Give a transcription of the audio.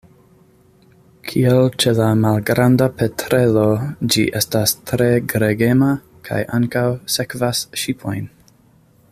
Kiel ĉe la Malgranda petrelo, ĝi estas tre gregema, kaj ankaŭ sekvas ŝipojn.